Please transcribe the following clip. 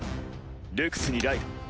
ルクスにライド！